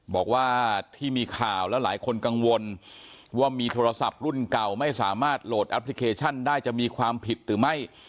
บอกว่าที่มีข่าวแล้วหลายคนกังวลว่ามีโทรศัพท์รุ่นเก่าไม่สามารถโหลดแอปพลิเคชันได้จะมีความผิดหรือไม่